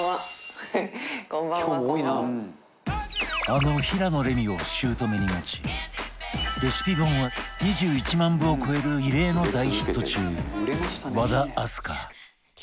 あの平野レミを姑に持ちレシピ本は２１万部を超える異例の大ヒット中和田明日香